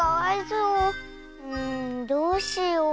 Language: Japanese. うんどうしよう。